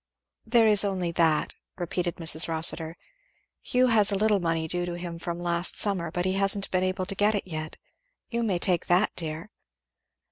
"There is only that," repeated Mrs. Rossitur. "Hugh has a little money due to him from last summer, but he hasn't been able to get it yet. You may take that, dear."